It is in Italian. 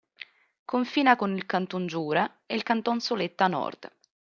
Confina con il Canton Giura e il Canton Soletta a nord.